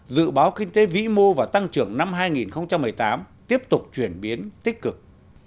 dự báo kinh tế vĩ mô và tăng trưởng năm hai nghìn một mươi tám tiếp tục chuyển biến tích cực